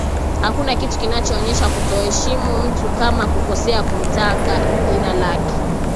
hakuna kitu kinachoonyesha kutokuheshimu mtu kama kukosea kutamka jina lake